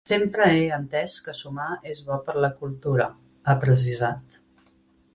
Sempre he entès que sumar és bo per la cultura, ha precisat.